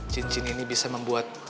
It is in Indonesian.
cincin ini bisa membuat